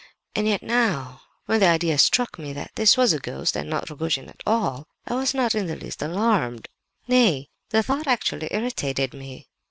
And yet now, when the idea struck me that this was a ghost and not Rogojin at all, I was not in the least alarmed. Nay—the thought actually irritated me.